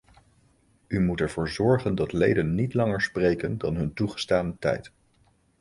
U moet ervoor zorgen dat leden niet langer spreken dan de hun toegestane tijd.